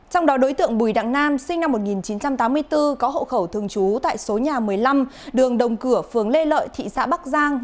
trong đó đối tượng bùi đặng nam sinh năm một nghìn chín trăm tám mươi bốn có hộ khẩu thường trú tại số nhà một mươi năm đường đồng cửa phường lê lợi thị xã bắc giang